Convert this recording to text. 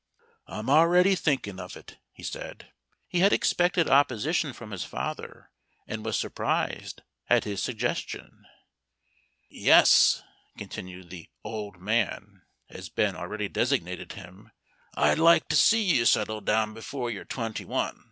"I'm already thinking of it," he said. He had expected opposition from his father, and was surprised at his suggestion. "Yes," continued the "old man," as Ben already designated him, "I'd like to see you settle down before you're twenty one.